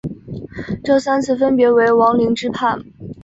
这三次分别为王凌之叛。